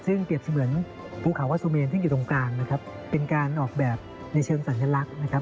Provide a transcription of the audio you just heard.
ซึ่งเปรียบเสมือนภูเขาวัดสุเมนซึ่งอยู่ตรงกลางนะครับเป็นการออกแบบในเชิงสัญลักษณ์นะครับ